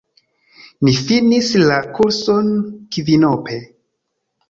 Ni finis la kurson kvinope.